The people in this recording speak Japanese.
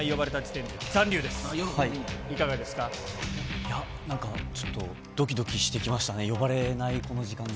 いや、なんかちょっと、どきどきしてきましたね、呼ばれないこの時間が。